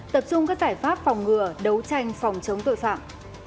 tập trung các giải pháp phòng ngừa đấu tranh phòng chống tội phạm